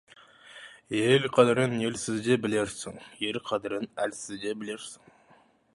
Ел қадірін елсізде білерсің, ер қадірін әлсізде білерсің.